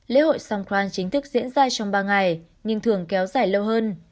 lễ hội songkran chính thức diễn ra trong ba ngày nhưng thường kéo dài lâu hơn